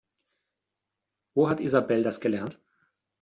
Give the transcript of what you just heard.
Wo hat Isabell das gelernt?